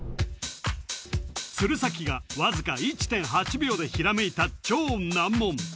鶴崎がわずか１．８秒でひらめいた超難問